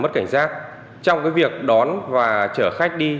mất cảnh giác trong cái việc đón và chở khách đi